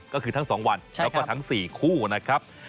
ก็คือทั้ง๒วันแล้วก็ทั้ง๔คู่นะครับ